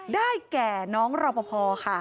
ได้แก่น้องรอปภค่ะ